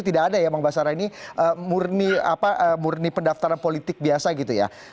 tidak ada ya bang basara ini murni pendaftaran politik biasa gitu ya